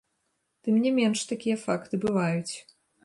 Тым не менш, такія факты бываюць.